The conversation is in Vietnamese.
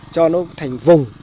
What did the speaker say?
cho nó thành vùng